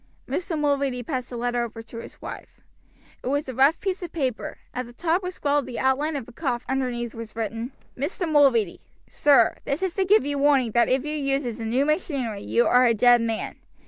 Mr. Mulready passed the letter over to his wife. It was a rough piece of paper; at the top was scrawled the outline of a coffin underneath which was written: "MR. MULREADY: Sir, this is to give you warning that if you uses the new machinery you are a dead man.